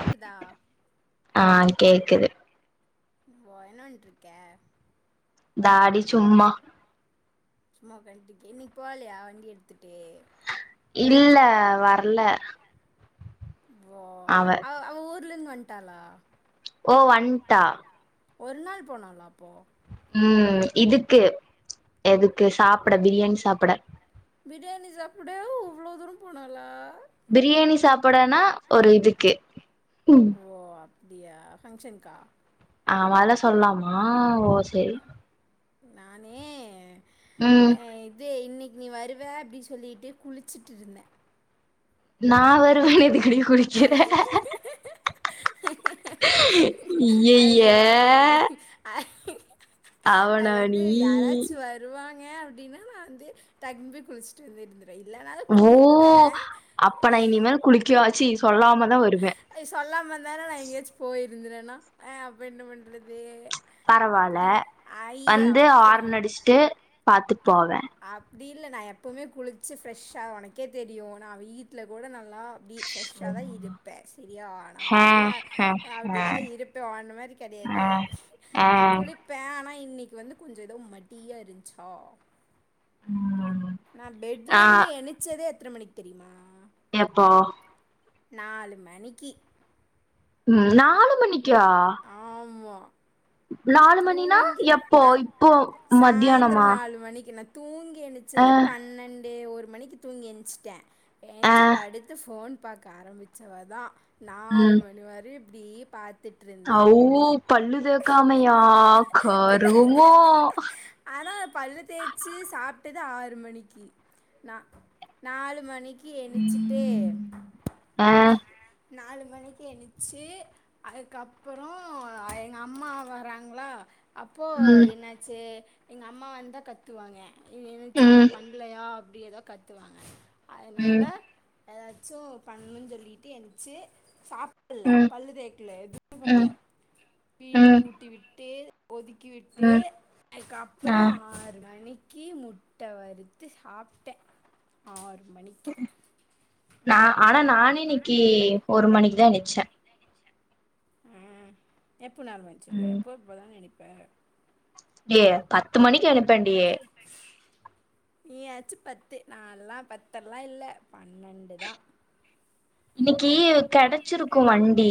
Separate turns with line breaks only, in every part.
கேக்குதா
ஆ கேக்குது
வொயனொன்ருக்க
தாடி சும்மா
சும்மா வெண்டிக்கு இன்னைக் போலையா வண்டி எடுத்துட்டு
இல்ல வர்ல
உள்ளந்து வண்ட்டாளா
ஓ வண்ட்டா
ஒரு நாள் போனாலா அப்போ
உம் இதுக்கு எதுக்கு சாப்புட பிரியாணி சாப்புட
பிரியாணி சாப்புட அவ அவ்ளோ தூரம் போனாலா
பிரியாணி சாப்புடனா ஒரு இதுக்கு உம்
டியா ஃபங்ஷன் கா
ஆவால சொல்லாமா ஓ செரி
நானே
ம்
அ இது இன்னை நீ வருவே அப்டி சொல்லிட்டு குளிச்சுட்டு இருந்தே
நா வருவ எது
[unintelligible] அது
அய்யய்ய
வந்து [inaudible]
அவனா நீ
ஏன் அப்படின்னா நான் வந்து டக்னு குளிச்சுட்டு வந்து இருந்தேன்
ஓ அப்ப நான் இனி மேல குளிக்காச்சு சொல்லாமல்
சொல்லாம வந்தாலே நான் எங்கேயாச்சும் போயி ருந்தேனா ஏன் அப்ப என்ன பண்றது
பரவால வந்து ஆரன்
அப்போ
அடிச்சுட்டு பார்த்துட்டு போவேன்
அப்படி இல்ல நான் எப்பவுமே குளிச்சி ப்ரெஷ் ஆவேன் உனக்கே தெரியும் நான் வீட்டில் கூட நான் நான் அப்டி ப்ரஸ்ஸா தான் இருப்பேன் சரியா நான் வந்து அப்படிதான் இருப்பேன் உன்ன மாதிரி கிடையாது
ஆஹ்
நான்
ஆஹ்
குளிப்பேன் ஆனா இன்னைக்கு வந்து கொஞ்சம் ஏதோ மடியா இருந்துச்சு
உம்
நான் பெட்ல இருந்து
ஆஹ்
ஏணைச்சதே எத்தனை மணிக்கு தெரியுமா
எப்போ
நாலு மணிக்கு
உம் நாலு மணி க்கா
ஆமாம்
நாலு மணினா
தூங்கி
எப்போ
நா
இப்போ மத்தியானமா
ஏணச்சது
ஆஹ்
பன்னெண்டு ஒரு மணிக்கு தூங்கி ஏச்சிட்டேன் ஏச்சி
ஆஹ்
படுத்து போன் பாக்க ஆரம்பிச்சவதான் நாலு மணி வரையும் அப்படியே பார்த்துட்டு
அவ் பண்ணுது கமையா
பின்ன
கருமோ
ஆனா பல்லு தேய்ச்சு சாப்பிட்டது ஆறு மணிக்கு நாலு மணிக்கு எணிச்சுட்டே
ம் ஆஹ்
நாலு மணிக்கு ஏச்சு அதுக்கப்புறம் எங்க அம்மா வராங்களா அப்போ
ம்
என்னாச்சு எங்க அம்மா வந்தா கத்துவாங்க நனைச்சு
ம்
எதுவும் பண்ணலையா அப்படி ஏதோ கத்துவாங்க அதனால
ம்
ஏதாச்சும் பண்ணணும்ன்னு சொல்லிட்டு என ச்சு சாப் ல
ம்
பல்லு தேக்கல எது பண்ணல
ம்
வீடு
ம்
கூட்டி விட்டு ஒதுக்கிவிட்டு
ம் ஆ
கீ முட்டை வறுத்து சாப்டேன் ஆறு மணிக்கு
நான் ஆனா நானு இன்னைக்கு ஒரு மணிக்குதான் நெச்சேன்
உம் எப்போ ஞாபகம் வச்சிருக்க எப்போ இப்பதான நெனப் வேற
ஐயயே பத்து மணிக்கு அனுப்பேண்டியே
நீயாச்சு பத்து நால்லாம் பத்தெல்லாம் இல்ல பன்னெண்டுதான்
இன்னைக்கு கெடைச்சிருக்கும் வண்டி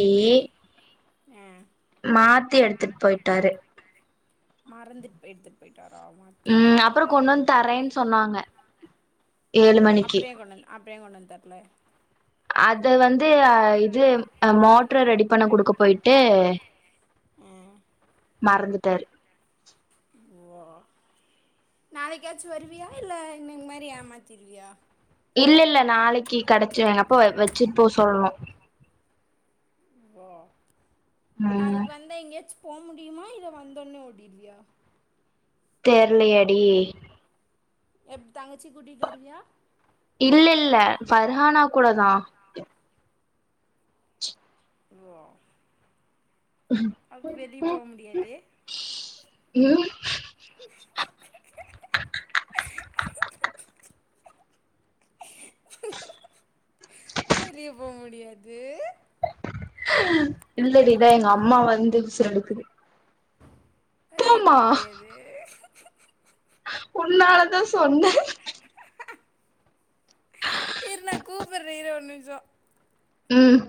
ஆஹ்
மாத்தி எடுத்துட்டு போய்டாரு
மறந்துட் போய் எடுத்துட் போயிட்
உம் அப்புறம் கொண்டு தரேன்னு சொன்னாங்க ஏழு மணிக்கு
அப்டியே கொண்டு அப்படியே கொண்டு வந்து தரல
அது வந்து ஹ இது மோட்ரை ரெடி பண்ண குடுக்க போய்டு
உம்
மறந்துட்டாரு
ஓ நாளைக்காச்சும் வருவியா இல்ல இன்னைகு மாரி ஏமாத்திருவியா
இல்ல இல்ல நாளைக்கு கெடச்சிரு எங்க அப்பா வ- வச்சுட்டு போ சொல்லணு
[unintelligible]
ம்
நாளைக்கு வந்தேன் எங்கேயாச்சும் போவ் முடியுமா இல்ல வந்தோனே ஓடிர்வியா
தெர்லேயேடி
எப் தங்கச்சி கூட்டிட்டு வருவியா
இல்ல இல்ல பர்ஹானா கூடதான்
[inaudible] வெளிய போக முடியாது
ம்
வெளிய போ முடியாது
இல்லடிதான் எங்க அம்மா வந்து உசுர எடுக்குது
வெளிய போ முடியாது
உன்னாலதான் சொன்ன
இருனா கூபர்ரேன் ஒரு நிமிஷம்
உம்